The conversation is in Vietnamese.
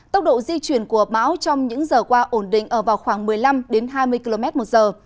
tốc độ di chuyển của bão trong những giờ qua ổn định ở vào khoảng một mươi năm hai mươi km một giờ